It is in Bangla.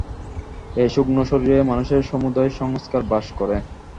এই সূক্ষ্মশরীরেই মানুষের সমুদয় সংস্কার বাস করে।